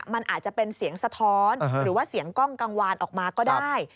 มันอาจจะเป็นเสียงสะท้อนหรือว่าเสียงกล้องกังวานออกมาก็ได้